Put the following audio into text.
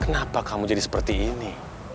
kenapa kamu jadi seperti ini